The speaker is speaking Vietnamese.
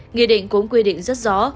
nghị định cũng quy định rất rõ